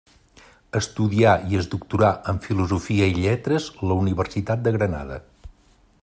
Estudià i es doctorà en Filosofia i Lletres la Universitat de Granada.